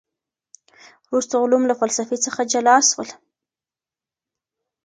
وروسته علوم له فلسفې څخه جلا سول.